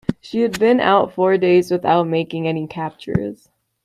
She had been out four days without making any captures.